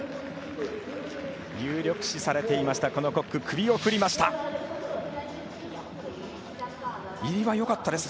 有力視されていましたこのコック、首を振りました。